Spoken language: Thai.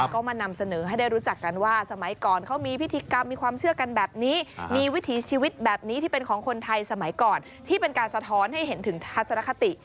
ก็มานำเสนอให้ได้รู้จักกันว่าสมัยก่อนเขามีพิธีกรรมมีความเชื่อกันแบบนี้มีวิถีชีวิตแบบนี้ที่เป็นของคนไทยสมัยก่อนที่เป็นการสะท้อนให้เห็นถึงทัศนคติ